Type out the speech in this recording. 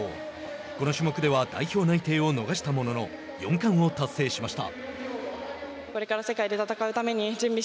この種目では代表内定は逃したものの四冠を達成しました。